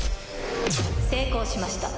成功しました。